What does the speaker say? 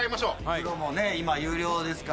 袋もね今有料ですから。